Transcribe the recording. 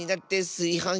すいはん